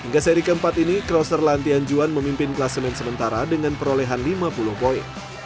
hingga seri keempat ini crosser lantian juan memimpin kelas main sementara dengan perolehan lima puluh poin